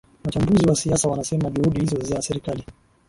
wachambuzi wa siasa wanasema juhudi hizo za serikali